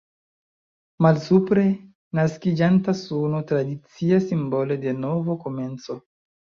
Malsupre, naskiĝanta suno, tradicia simbolo de novo komenco.